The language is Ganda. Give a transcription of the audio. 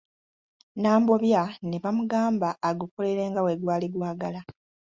Nambobya ne bamugamba agukolere nga bwe gwali gwagala.